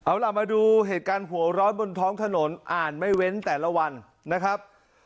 เอาล่ะมาดูเหตุการณ์หัวร้อนบนท้องถนนอ่านไม่เว้นแต่ละวันนะครับ